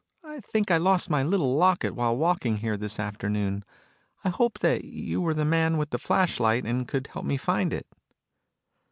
I think I lost my little locket while walking here this afternoon. I hoped that you were the man with the flashlight and could help me find it."